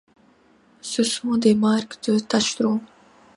Ce sont des marques de tâcherons.